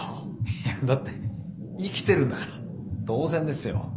「いやだって生きてるんだから当然ですよ」。